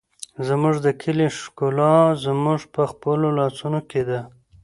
زموږ د کلي ښکلا زموږ په خپلو لاسونو کې ده.